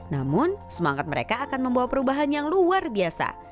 namun semangat mereka akan membawa perubahan yang luar biasa